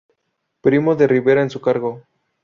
Primo de Rivera en su cargo.